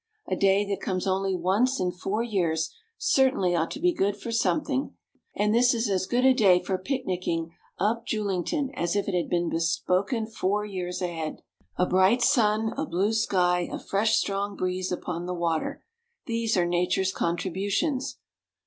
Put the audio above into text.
A day that comes only once in four years certainly ought to be good for something; and this is as good a day for picnicking up Julington as if it had been bespoken four years ahead. A bright sun, a blue sky, a fresh, strong breeze upon the water, these are Nature's contributions.